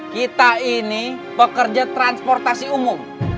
kita ini pekerja transportasi umum